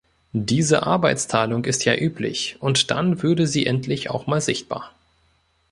Diese Arbeitsteilung ist ja üblich, und dann würde sie endlich auch mal sichtbar.